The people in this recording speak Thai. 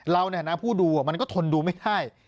เราเนี่ยหน้าผู้ดูมันก็ทนดูไม่ได้